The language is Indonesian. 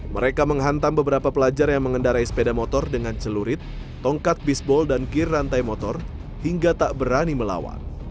mereka menghantam beberapa pelajar yang mengendarai sepeda motor dengan celurit tongkat bisbol dan kir rantai motor hingga tak berani melawan